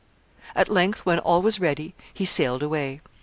] At length, when all was ready, he sailed away.